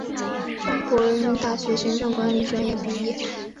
中国人民大学行政管理专业毕业。